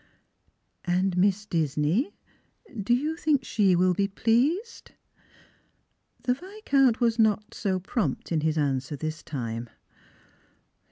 "And Miss Disney .P do you think she will be pleased?" The Viscount was not so prompt in his answer this time.